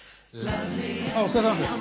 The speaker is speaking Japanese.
あっお疲れさまです。